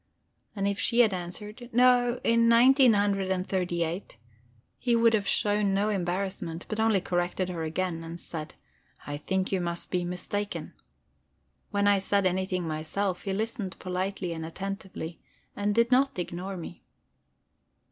And if she had answered, "No, in nineteen hundred and thirty eight," he would have shown no embarrassment, but only corrected her again, and said, "I think you must be mistaken." When I said anything myself, he listened politely and attentively, and did not ignore me.